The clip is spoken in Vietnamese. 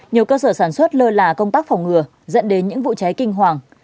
nhiều cơ sở sản xuất lơ là công tác phòng ngừa dẫn đến những vụ cháy kinh hoàng